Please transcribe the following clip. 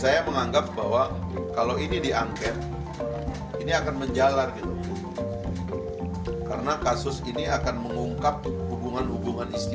yang akan banyak sekali nanti